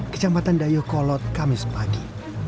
kecamatan dayokolot kamis pagi